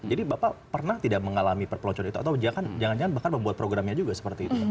bapak pernah tidak mengalami perpeloncoan itu atau jangan jangan bahkan membuat programnya juga seperti itu